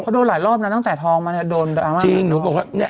เขาโดนหลายรอบนะตั้งแต่ทองมาเนี้ยโดนดังมากจริงหนูบอกว่าเนี้ย